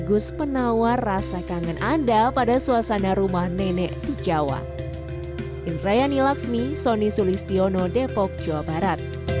terigus penawar rasa kangen anda pada suasana rumah nenek di jawa